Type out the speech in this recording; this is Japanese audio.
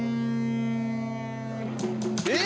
え？